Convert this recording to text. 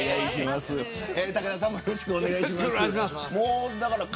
武田さんもよろしくお願いします